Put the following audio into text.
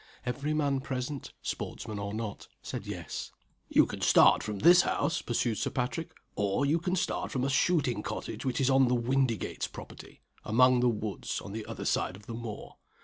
Every man present sportsman or not said yes. "You can start from this house," pursued Sir Patrick; "or you can start from a shooting cottage which is on the Windygates property among the woods, on the other side of the moor.